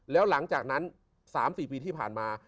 แล้วหลังจากนั้น๓๔ปีที่ผ่านมา